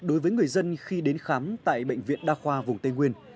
đối với người dân khi đến khám tại bệnh viện đa khoa vùng tây nguyên